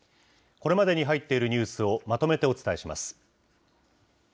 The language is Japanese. これまでに入っているニュースを、まとめてお伝えします。